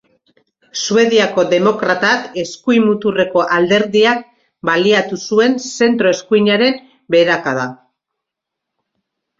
Suediako Demokratak eskuin muturreko alderdiak baliatu zuen zentro-eskuinaren beherakada.